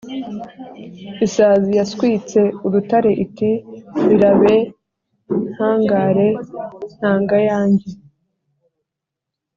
Isazi yaswitse urutare iti: birabe ntangare ntanga yanjye.